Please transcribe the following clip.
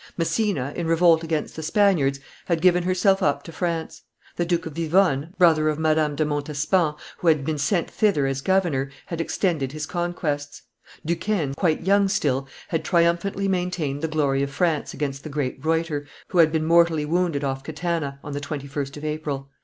Messina, in revolt against the Spaniards, had given herself up to France; the Duke of Vivonne, brother of Madame de Montespan, who had been sent thither as governor, had extended his conquests; Duquesne, quite young still, had triumphantly maintained the glory of France against the great Ruyter, who had been mortally wounded off Catana; on the 21st of April.